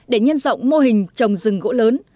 để nhân rộng mô hình trồng rừng gỗ lớn